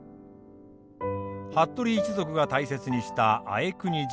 服部一族が大切にした敢國神社。